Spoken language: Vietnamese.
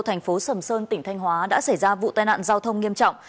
thành phố sầm sơn tỉnh thanh hóa đã xảy ra vụ tai nạn giao thông nghiêm trọng